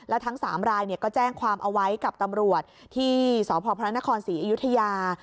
แล้วทั้ง๓รายก็แจ้งความเอาไว้กับตำรวจที่สพพระนครศรีอยุธยา